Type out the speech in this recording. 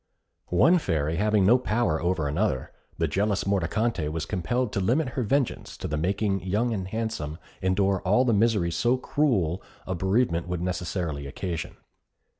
One Fairy having no power over another, the jealous Mordicante was compelled to limit her vengeance to the making Young and Handsome endure all the misery so cruel a bereavement would necessarily occasion.